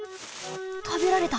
たべられた。